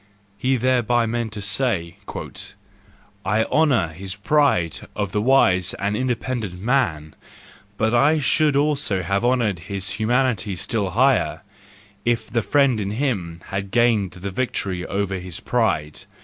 " He therewith meant to say, " I honour this pride of the wise and independent man, but I should have honoured his humanity still higher if the friend in him had gained the victory over his pride.